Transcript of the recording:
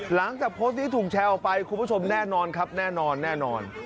หลังจากโพสต์นี้ถูกแชร์ออกไปคุณผู้ชมแน่นอนครับแน่นอนแน่นอน